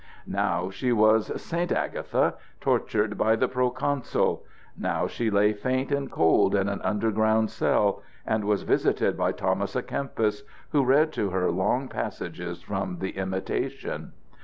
Now she was St. Agatha, tortured by the proconsul; now she lay faint and cold in an underground cell, and was visited by Thomas à Kempis, who read to her long passages from the Imitation.